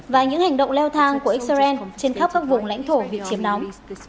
và những hành động leo thang của israel trên khắp các vùng lãnh thổ bị chiếm đóng